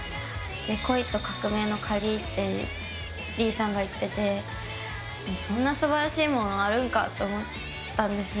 恋と革命のカリーってＬＥＥさんが言っててそんな素晴らしいものあるんかって思ったんですね。